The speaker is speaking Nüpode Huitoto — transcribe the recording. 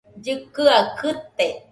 Llɨkɨaɨ kɨte.